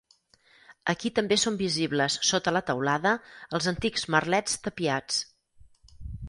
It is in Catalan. Aquí també són visibles sota la teulada els antics merlets tapiats.